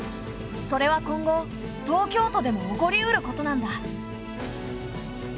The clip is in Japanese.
それは今後東京都でも起こりうることなんだ。